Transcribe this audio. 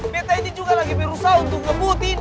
betta ini juga lagi berusaha untuk gembuti nih nona